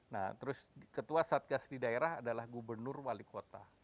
nah terus ketua satgas di daerah adalah gubernur wali kota